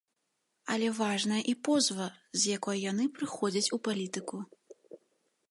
Але важная і позва, з якой яны прыходзяць у палітыку.